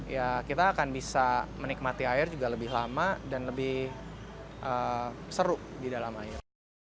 ya kita akan bisa menikmati air juga lebih lama dan lebih seru di dalam air